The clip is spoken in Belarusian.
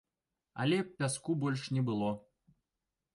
Але пяску больш не было.